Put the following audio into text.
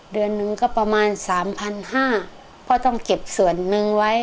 เดือนหนึ่งก็ประมาณ๓๕๐๐บาทพ่อต้องเก็บส่วนนึงไว้